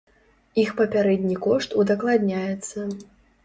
Іх папярэдні кошт удакладняецца.